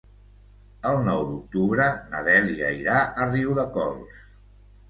El nou d'octubre na Dèlia irà a Riudecols.